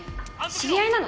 知り合いなの？